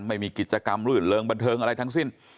ไม่มีกิจกรรมรื่นเริงบันเทิงอะไรทั้งสิ้น